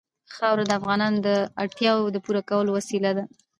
خاوره د افغانانو د اړتیاوو د پوره کولو وسیله ده.